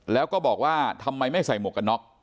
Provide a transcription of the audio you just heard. แล้วก็บอกว่าทำไมไม่ใส่หมวกกันน็อก